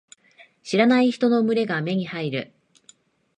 知らない人の群れが目に入る。